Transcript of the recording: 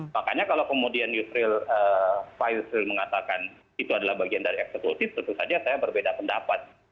makanya kalau kemudian pak yusril mengatakan itu adalah bagian dari eksekutif tentu saja saya berbeda pendapat